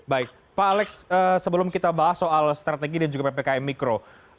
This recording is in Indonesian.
baik pak alex sebelum kita bahas soal strategi dan juga ppkm mikro